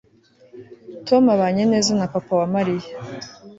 tom abanye neza na papa wa mariya